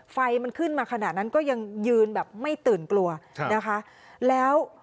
ไฟมันขึ้นมาขนาดนั้นก็ยังยืนแบบไม่ตื่นกลัวนะคะแล้ว